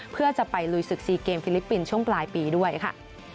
เพื่อจะไปลุยศึก๔เกมฟิลิปปินส์ช่วงปลายปีด้วยค่ะ